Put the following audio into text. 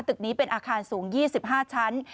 ตึกนี้เป็นอาคารสูง๒๕ชั้น